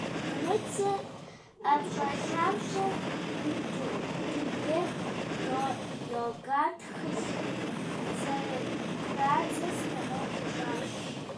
Нэмыцэ ӏэпщӏэлъапщӏэ Гутенгберг Иоганн тхылъ зэрытрадзэ станок ищӏащ.